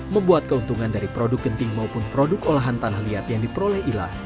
membuat keuntungan dari produk genting maupun produk olahan tanah liat yang diperoleh ila